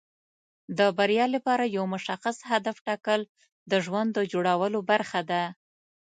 د بریا لپاره یو مشخص هدف ټاکل د ژوند د جوړولو برخه ده.